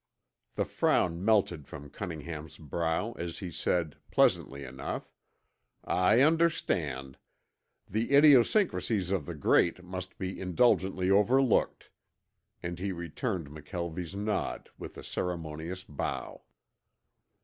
The frown melted from Cunningham's brow as he said, pleasantly enough, "I understand. The idiosyncrasies of the great must be indulgently overlooked," and he returned McKelvie's nod with a ceremonious bow.